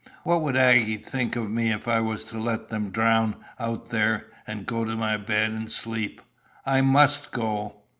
What would Aggy think of me if I was to let them drown out there and go to my bed and sleep? I must go."